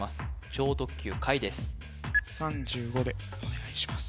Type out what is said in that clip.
超特急カイです３５でお願いします